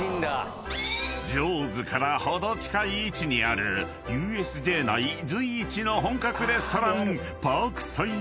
［ＪＡＷＳから程近い位置にあるＵＳＪ内随一の本格レストラン］